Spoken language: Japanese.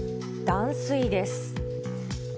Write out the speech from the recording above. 断水です。